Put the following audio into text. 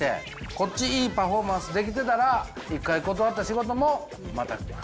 こっちいいパフォーマンスできてたら一回断った仕事もまた来る。